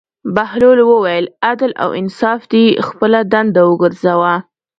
بهلول وویل: عدل او انصاف دې خپله دنده وګرځوه.